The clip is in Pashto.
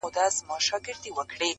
• مُلا به څنګه دلته پاچا وای -